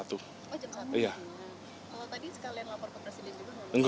kalau tadi sekalian lapor ke presiden juga